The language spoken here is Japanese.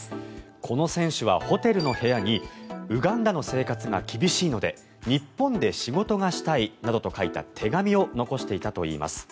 この選手はホテルの部屋にウガンダの生活が厳しいので日本で仕事がしたいなどと書いた手紙を残していたといいます。